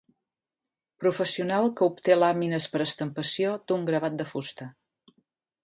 Professional que obté làmines per estampació d'un gravat de fusta.